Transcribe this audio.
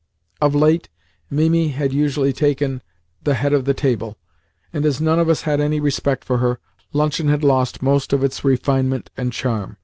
Of late, Mimi had usually taken the head of the table, and as none of us had any respect for her, luncheon had lost most of its refinement and charm.